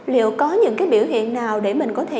liệu có những cái biểu hiện nào để mình có thể